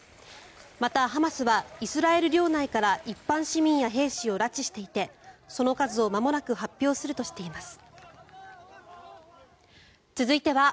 また、ハマスはイスラエル領内から一般市民や兵士を拉致していてその数をまもなく発表するとしています。